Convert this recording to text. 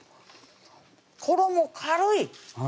衣軽い！